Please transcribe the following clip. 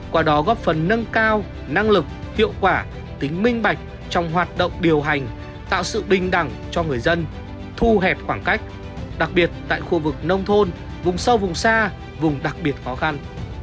qua đó góp phần nâng cao năng lực hiệu quả tính minh bạch trong hoạt động điều hành tạo sự bình đẳng cho người dân thu hẹp khoảng cách đặc biệt tại khu vực nông thôn vùng sâu vùng xa vùng đặc biệt khó khăn